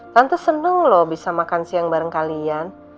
tante senang loh bisa makan siang bareng kalian